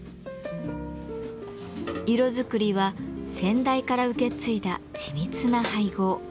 色作りは先代から受け継いだ緻密な配合。